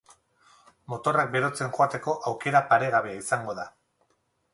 Motorrak berotzen joateko aukera paregabea izango da.